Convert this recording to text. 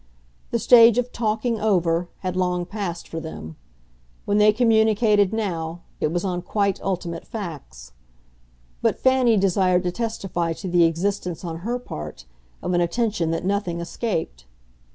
The stage of "talking over" had long passed for them; when they communicated now it was on quite ultimate facts; but Fanny desired to testify to the existence, on her part, of an attention that nothing escaped.